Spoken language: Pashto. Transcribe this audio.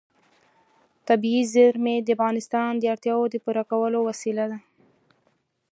طبیعي زیرمې د افغانانو د اړتیاوو د پوره کولو وسیله ده.